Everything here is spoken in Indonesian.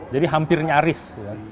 jadi hampir nyaris